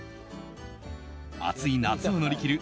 暑い夏を乗り切る